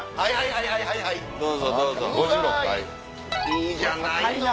いいじゃないの。